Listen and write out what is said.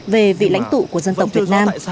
về vị lãnh tụ của dân tộc việt nam